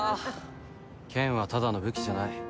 剣はただの武器じゃない。